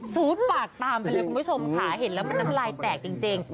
ซูดปากตามไปเลยคุณผู้ชมค่ะเห็นแล้วมันน้ำลายแตกจริง